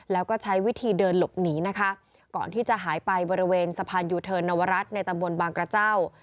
แล้วก็ใช้วิธีเดินหลบหนีนะคะก่อนที่จะหายไปบริเวณสะพานยูเทิร์นนวรัฐในตำบลบางกระเจ้า